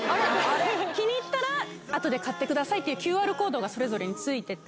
気にいったら、あとで買ってくださいって、ＱＲコードがそれぞれについてて。